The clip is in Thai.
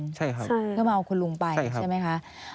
ใช่ครับใช่ครับเพื่อมาเอาคุณลุงไปใช่ไหมคะ